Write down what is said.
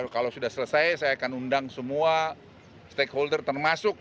kalau sudah selesai saya akan undang semua stakeholder termasuk